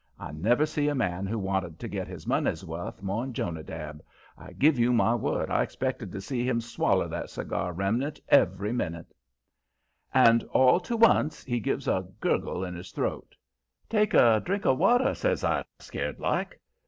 I never see a man who wanted to get his money's wuth more'n Jonadab, I give you my word, I expected to see him swaller that cigar remnant every minute. And all to once he gives a gurgle in his throat. "Take a drink of water," says I, scared like.